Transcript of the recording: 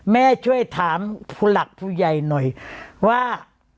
แม่ช่วยถามผู้หลักผู้ใหญ่หน่อยว่า